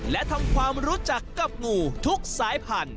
และทำความรู้จักกับงูทุกสายพันธุ